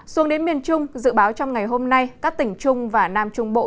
xuống đến miền trung dự báo trong ngày hôm nay các tỉnh trung và nam trung bộ